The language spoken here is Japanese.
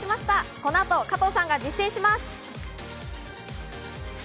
この後、加藤さんが実践します。